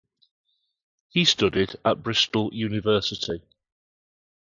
He studied at Bristol University.